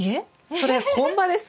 それ本葉です。